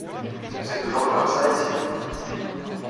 C’est toujours comme ça ici ?